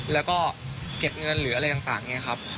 แล้วก็เก็บเงินหรืออะไรต่างอย่างนี้ครับ